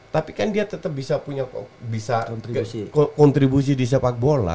tapi kan dia tetap bisa kontribusi di sepak bola